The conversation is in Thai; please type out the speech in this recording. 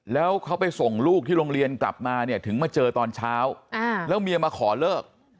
แล้วเขาไปส่งลูกที่โรงเรียนกลับมาเนี่ยถึงมาเจอตอนเช้าแล้วเมียมาขอเลิก